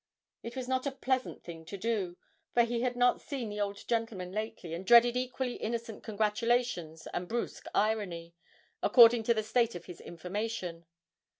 It was not a pleasant thing to do, for he had not seen the old gentleman lately, and dreaded equally innocent congratulations and brusque irony, according to the state of his information.